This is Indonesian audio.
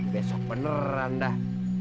besok beneran dah